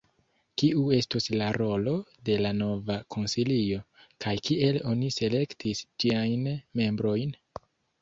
Kiu estos la rolo de la nova konsilio, kaj kiel oni selektis ĝiajn membrojn?